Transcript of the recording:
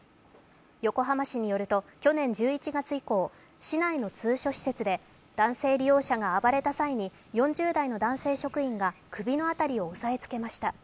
横浜市によると去年１１月以降市内の通所施設で、男性利用者が暴れた際に４０代の男性職員が首の辺りを押さえつけました